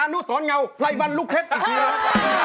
อนุสรเงาไพรวันลูกเผ็ดอีกนิดหนึ่ง